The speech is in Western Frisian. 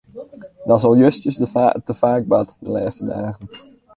Dat is al justjes te faak bard de lêste dagen.